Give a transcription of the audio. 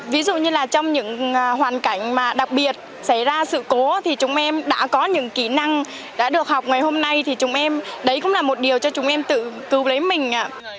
ví dụ như là trong những hoàn cảnh mà đặc biệt xảy ra sự cố thì chúng em đã có những kỹ năng đã được học ngày hôm nay thì chúng em đấy cũng là một điều cho chúng em tự cứu lấy mình